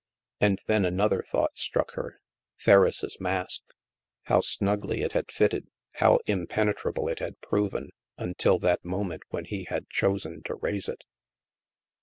*' And then another thought struck her. Ferriss' mask ! How snugly it had fitted, how impenetrable it had proven, until that moment when he had chosen to raise it